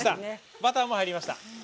バターも入りました。